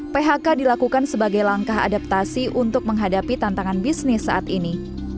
phk dilakukan sebagai langkah adaptasi untuk menghadapi tantangan bisnis saat ini